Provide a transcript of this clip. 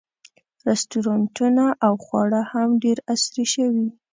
رسټورانټونه او خواړه هم ډېر عصري شوي.